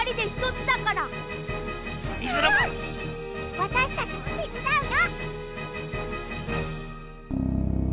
わたしたちもてつだうよ。